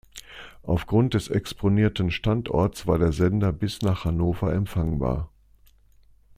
Aufgrund des exponierten Standorts war der Sender bis nach Hannover empfangbar.